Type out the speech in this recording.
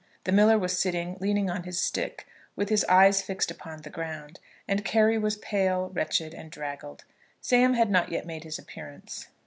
The miller was sitting, leaning on his stick, with his eyes fixed upon the ground, and Carry was pale, wretched, and draggled. Sam had not yet made his appearance.